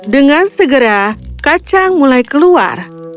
dengan segera kacang mulai keluar